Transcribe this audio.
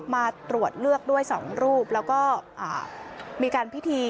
มาตรวจเลือกด้วยสองรูปแล้วก็มีการพิธี